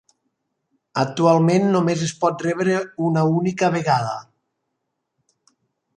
Actualment només es pot rebre una única vegada.